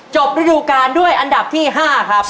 ไปดูการด้วยอันดับที่๕ครับ